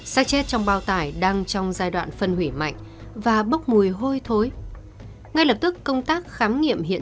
sắc chết trong bao tải đang trong giai đoạn phân hủy mạnh và bốc mùi hôi thối ngay lập tức công tác khám